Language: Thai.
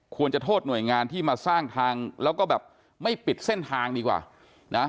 โทษหน่วยงานที่มาสร้างทางแล้วก็แบบไม่ปิดเส้นทางดีกว่านะ